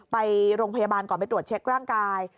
ไปโรงพยาบาลก่อนไปตรวจเช็คร่างกาย